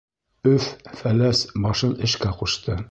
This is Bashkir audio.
Өф-Фәләс башын эшкә ҡушты.